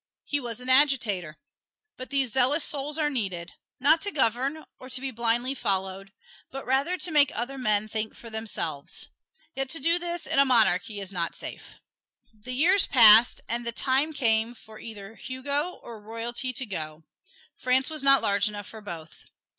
He was an agitator. But these zealous souls are needed not to govern or to be blindly followed, but rather to make other men think for themselves. Yet to do this in a monarchy is not safe. The years passed, and the time came for either Hugo or Royalty to go; France was not large enough for both.